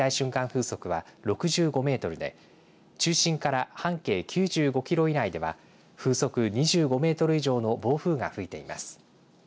風速は６５メートルで中心から半径９５キロ以内では風速２５メートル以上の暴風が吹いています。